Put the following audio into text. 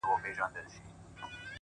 که هر څو خلګ ږغېږي چي بدرنګ یم!